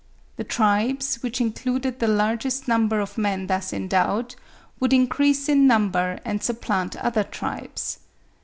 The tribes, which included the largest number of men thus endowed, would increase in number and supplant other tribes.